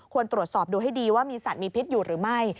ตรวจสอบดูให้ดีว่ามีสัตว์มีพิษอยู่หรือไม่